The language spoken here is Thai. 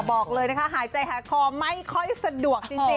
บอกเลยนะคะหายใจหายคอไม่ค่อยสะดวกจริง